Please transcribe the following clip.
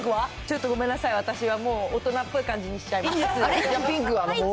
ちょっとごめんなさい、もう大人っぽい感じにしちゃいました。